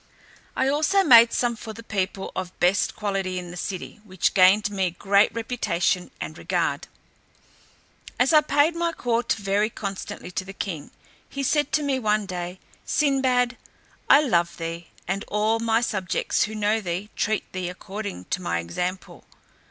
I also made some for the people of best quality in the city, which gained me great reputation and regard. As I paid my court very constantly to the king, he said to me one day, "Sinbad, I love thee; and all my subjects who know thee, treat thee according to my example.